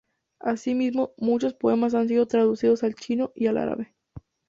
Asimismo, muchos poemas han sido traducidos al chino y al árabe.